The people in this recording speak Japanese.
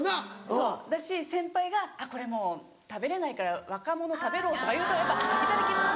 そうだし先輩が「これもう食べれないから若者食べろ」とか言うと「いただきます」。